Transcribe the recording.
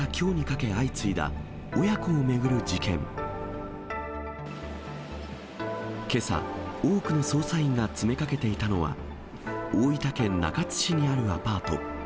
けさ、多くの捜査員が詰めかけていたのは、大分県中津市にあるアパート。